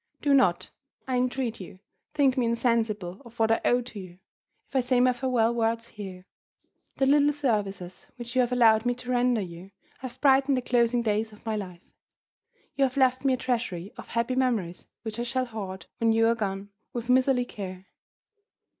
Do not, I entreat you, think me insensible of what I owe to you, if I say my farewell words here. "The little services which you have allowed me to render you have brightened the closing days of my life. You have left me a treasury of happy memories which I shall hoard, when you are gone, with miserly care.